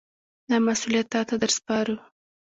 دا مسوولیت تاته در سپارو.